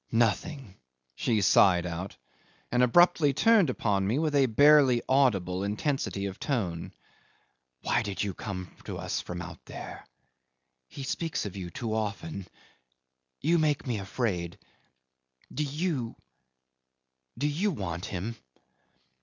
"Nothing," she sighed out, and abruptly turned upon me with a barely audible intensity of tone: "Why did you come to us from out there? He speaks of you too often. You make me afraid. Do you do you want him?"